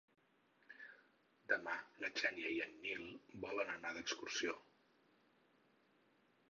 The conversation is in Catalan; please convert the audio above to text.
Demà na Xènia i en Nil volen anar d'excursió.